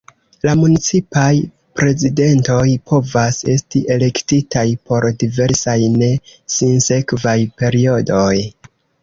La municipaj prezidentoj povas esti elektitaj por diversaj ne sinsekvaj periodoj.